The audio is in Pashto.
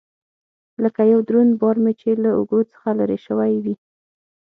لکه يو دروند بار مې چې له اوږو څخه لرې سوى وي.